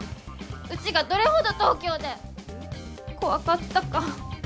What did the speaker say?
うちがどれほど東京で怖かったか。